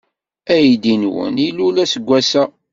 Aydi-nwen ilul aseggas-a.